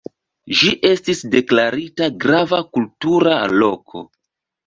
Ĝi estis deklarita Grava Kultura Loko.